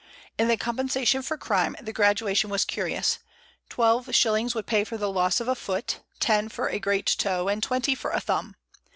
In the compensation for crime the gradation was curious: twelve shillings would pay for the loss of a foot, ten for a great toe, and twenty for a thumb.